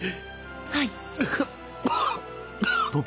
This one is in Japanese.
はい。